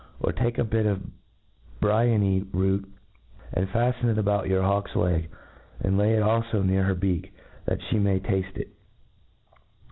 Or take a bit of t>fyony root, and fatten it about your hawk's leg, and lay it alfo near her beak, that &e may tafteit, 17.